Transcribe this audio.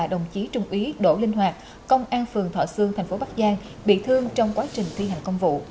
đồng chí trung úy đỗ linh hoạt công an phường thọ sương thành phố bắc giang bị thương trong quá trình thi hành công vụ